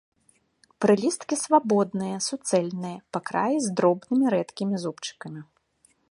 Прылісткі свабодныя, суцэльныя, па краі з дробнымі рэдкімі зубчыкамі.